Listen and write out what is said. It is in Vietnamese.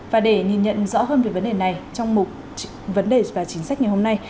và để nhìn nhận rõ hơn về vấn đề này trong một vấn đề và chính sách ngày hôm nay